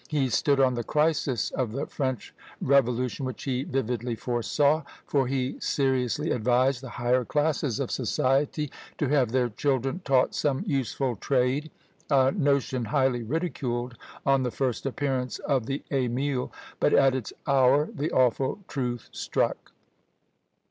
He stood on the crisis of the French Revolution, which he vividly foresaw, for he seriously advised the higher classes of society to have their children taught some useful trade; a notion highly ridiculed on the first appearance of the Emile: but at its hour the awful truth struck!